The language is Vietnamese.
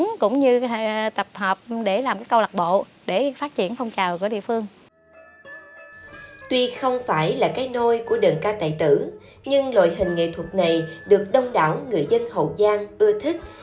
nhưng loại hình nghệ thuật này được đông đảo người dân hậu giang ưa thích